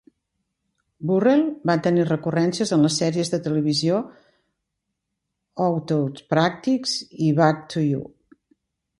Burrell va tenir recurrències en les sèries de televisió "Out of Practice" i "Back to You".